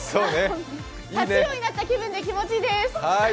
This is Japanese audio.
タチウオになった気分で気持ちいいです！